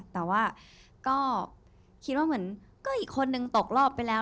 แต่ว่าก็คิดว่าเหมือนก็อีกคนนึงตกรอบไปแล้ว